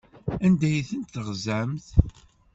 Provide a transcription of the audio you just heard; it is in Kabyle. Anda ay tent-teɣzamt?